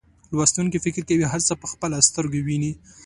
لوستونکي فکر کوي هر څه په خپلو سترګو ویني.